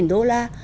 năm mươi đô la